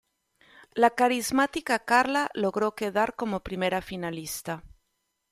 La carismática Karla logró quedar como Primera Finalista.